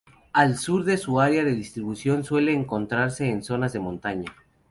Al sur de su área de distribución suele encontrarse en zonas de montaña.